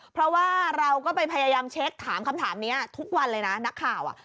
เพราะว่าเราก็ไปพยายามเช็คถามคำถามนี้ทุกวันเลยนะ